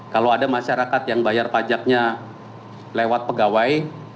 kalau ada masyarakat yang bayar pajaknya lewat pegawai